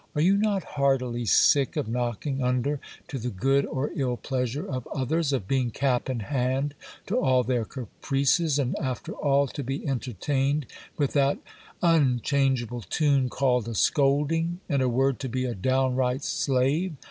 Are you not heartily sick of knocking under to the good or ill pleasure of others, of being cap in hand to all their caprices, and after all to be entertained with that unchangeable tune called a scolding, in a word, to be a downright slave?